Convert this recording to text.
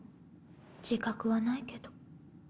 自覚はないけど。